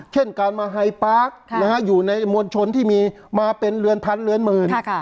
เช่นการมาไฮปาร์คอยู่ในมวลชนที่มีมาเป็นเรือนพันเรือนหมื่น